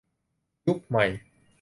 ยุคใหม่